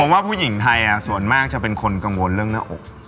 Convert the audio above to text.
ว่าผู้หญิงไทยส่วนมากจะเป็นคนกังวลเรื่องหน้าอก